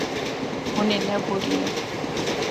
Hûn ê neborînin.